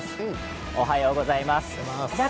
おはようございます。